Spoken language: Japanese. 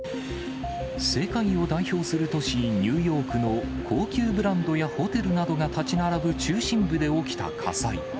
世界を代表する都市ニューヨークの高級ブランドやホテルなどが建ち並ぶ中心部で起きた火災。